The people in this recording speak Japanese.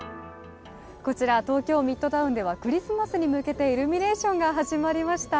こちら、東京ミッドタウンではクリスマスに向けてイルミネーションが始まりました。